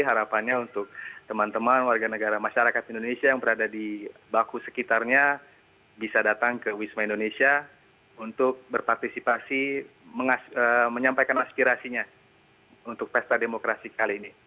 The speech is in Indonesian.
harapannya untuk teman teman warga negara masyarakat indonesia yang berada di baku sekitarnya bisa datang ke wisma indonesia untuk berpartisipasi menyampaikan aspirasinya untuk pesta demokrasi kali ini